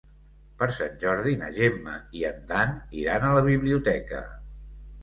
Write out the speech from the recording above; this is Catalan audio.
Per Sant Jordi na Gemma i en Dan iran a la biblioteca.